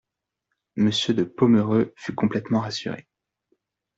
Monsieur de Pomereux fut complètement rassuré.